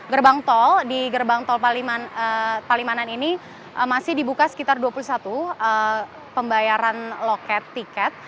gerbang tol di gerbang tol palimanan ini masih dibuka sekitar dua puluh satu pembayaran loket tiket